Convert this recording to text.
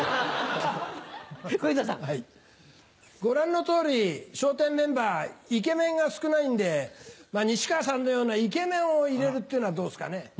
ご覧の通り笑点メンバーイケメンが少ないんで西川さんのようなイケメンを入れるっていうのはどうっすかね？